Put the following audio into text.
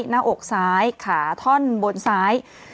หน้าอกซ้ายขาท่อนบนซ้าย